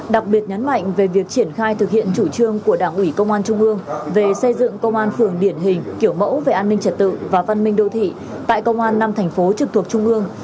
đặc biệt nhấn mạnh về việc triển khai thực hiện chủ trương của đảng ủy công an trung ương về xây dựng công an phường điển hình kiểu mẫu về an ninh trật tự và văn minh đô thị tại công an năm thành phố trực thuộc trung ương